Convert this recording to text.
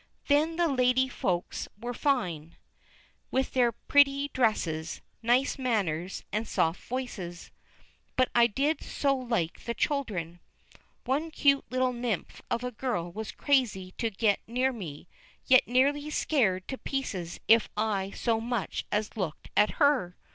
Then the lady Folks were fine, with their pretty dresses, nice manners, and soft voices. But I did so like the children! One cute little nymph of a girl was crazy to get near me, yet nearly scared to pieces if I so much as looked at her.